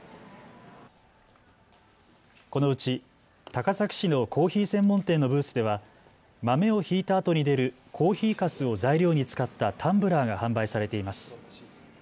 このうち高崎市のコーヒー専門店のブースでは豆をひいたあとに出るコーヒーかすを材料に使ったタンブラーが販売されています。